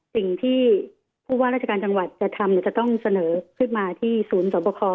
สิ่งที่ผู้ว่าราชการจังหวัดจะทำจะต้องเสนอขึ้นมาที่ศูนย์สอบคอ